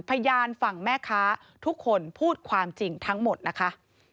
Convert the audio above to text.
พยานฝั่งแม่ค้าทุกคนพูดความจริงทั้งหมดนะคะ